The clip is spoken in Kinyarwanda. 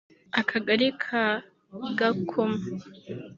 akagari ka Gakoma